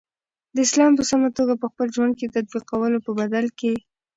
د اسلام په سمه توګه په خپل ژوند کی د تطبیقولو په بدل کی